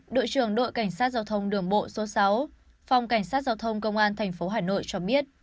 đội trưởng đội cảnh sát giao thông đường bộ số sáu phòng cảnh sát giao thông công an tp hà nội cho biết